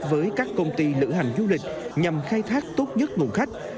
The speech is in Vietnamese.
với các công ty lửa hành du lịch nhằm khai thác tốt nhất nguồn khách